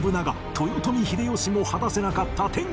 豊臣秀吉も果たせなかった天下統一